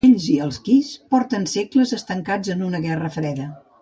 Ells i els Qys porten segles estancats en una Guerra Freda.